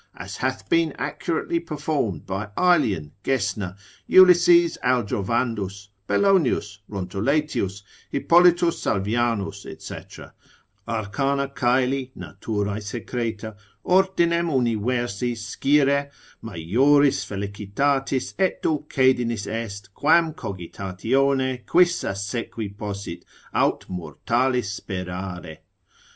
as hath been accurately performed by Aelian, Gesner, Ulysses Aldrovandus, Bellonius, Rondoletius, Hippolitus Salvianus, &c. Arcana coeli, naturae secreta, ordinem universi scire majoris felicitatis et dulcedinis est, quam cogitatione quis assequi possit, aut mortalis sperare.